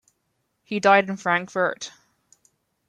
He died in Frankfurt.